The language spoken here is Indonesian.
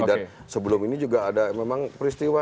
dan sebelum ini juga ada memang peristiwa